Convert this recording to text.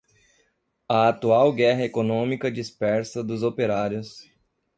a atual guerra econômica dispersa dos operários